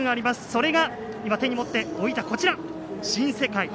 それが手に持って置いた新世界。